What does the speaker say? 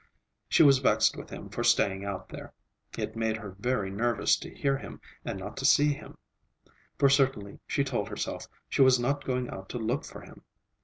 She was vexed with him for staying out there. It made her very nervous to hear him and not to see him; for, certainly, she told herself, she was not going out to look for him.